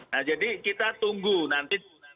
nah jadi kita tunggu nanti